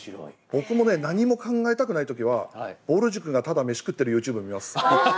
僕もね何も考えたくない時はぼる塾がただ飯食ってるＹｏｕＴｕｂｅ見ます。